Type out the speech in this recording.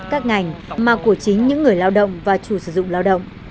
các ngành mà của chính những người lao động và chủ sử dụng lao động